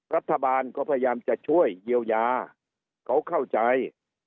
รัฐบาลเขาพยายามจะช่วยเยียวยาเขาเข้าใจ